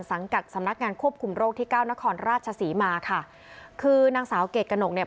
กับสำนักงานควบคุมโรคที่เก้านครราชศรีมาค่ะคือนางสาวเกรดกระหนกเนี่ย